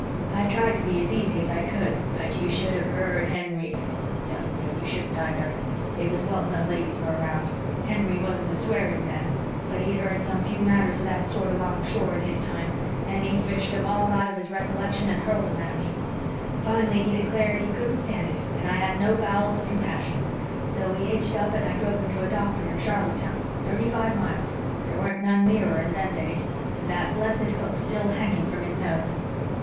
I tried to be as easy as I could, but you should have heard Henry no, you shouldn't either. It was well no ladies were around. Henry wasn't a swearing man, but he'd heard some few matters of that sort along shore in his time, and he fished 'em all out of his recollection and hurled 'em at me. Fin'lly he declared he couldn't stand it and I had no bowels of compassion. So we hitched up and I drove him to a doctor in Charlottetown, thirty five miles there weren't none nearer in them days with that blessed hook still hanging from his nose.